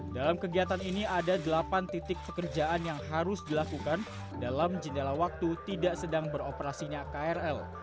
dalam kegiatan ini ada delapan titik pekerjaan yang harus dilakukan dalam jendela waktu tidak sedang beroperasinya krl